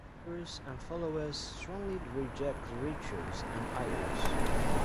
Gurus and followers strongly reject rituals and idols.